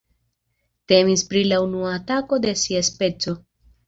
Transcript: Temis pri la unua atako de sia speco.